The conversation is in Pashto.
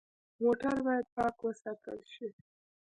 موټر باید پاک وساتل شي.